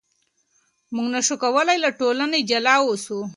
موږ نشو کولای له ټولنې جلا اوسو.